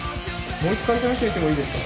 もう一回試してみてもいいですか？